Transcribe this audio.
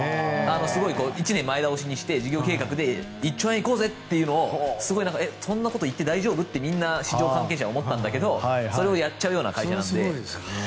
１年前倒しにして事業計画で１兆円行こうぜというのをそんなこと言って大丈夫？ってみんな市場関係者は思ったんだけどそれをやっちゃうような会社なので。